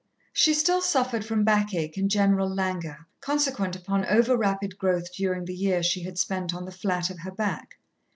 She still suffered from backache and general languor, consequent upon over rapid growth during the year she had spent on the flat of her back.